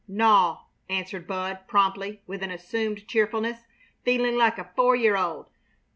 "Naw!" answered Bud, promptly, with an assumed cheerfulness. "Feeling like a four year old.